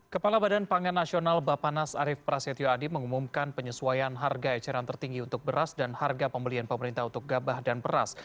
kepala badan pangan nasional bapak nas arief prasetyo adi mengumumkan penyesuaian harga eceran tertinggi untuk beras dan harga pembelian pemerintah untuk gabah dan beras